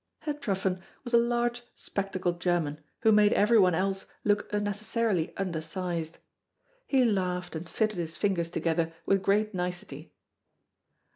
Herr Truffen was a large, spectacled German, who made everyone else look unnecessarily undersized. He laughed and fitted his fingers together with great nicety.